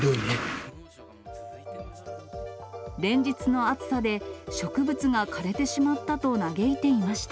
連日の暑さで、植物が枯れてしまったと嘆いていました。